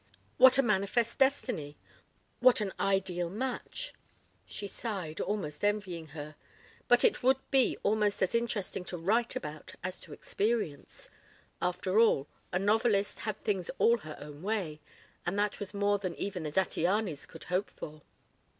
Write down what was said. ... What a manifest destiny! What an ideal match. ... She sighed, almost envying her. But it would be almost as interesting to write about as to experience. After all, a novelist had things all her own way, and that was more than even the Zattianys could hope for.